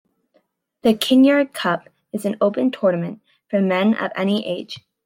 The Kinnaird Cup is an open tournament for men of any age.